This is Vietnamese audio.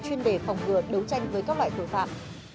chuyên đề phòng ngừa đấu tranh với các loại tội phạm